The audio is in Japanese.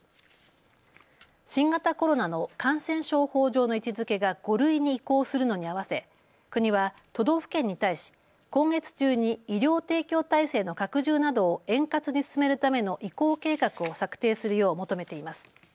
新型コロナの感染症法上の位置づけが５類に移行するのに合わせ国は都道府県に対し今月中に医療提供体制の拡充などを円滑に進めるための移行計画を策定するよう求めています。